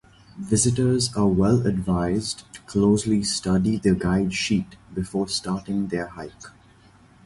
Visitors are well advised to closely study the guide sheet before starting their hike.